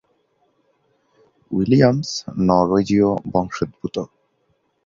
Williams নরওয়েজীয় বংশোদ্ভূত।